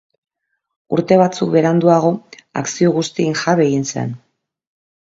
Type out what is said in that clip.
Urte batzuk beranduago akzio guztien jabe egin zen.